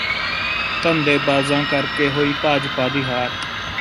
ਧੰਦੇਬਾਜ਼ਾਂ ਕਰਕੇ ਹੋਈ ਭਾਜਪਾ ਦੀ ਹਾਰ